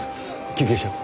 救急車を。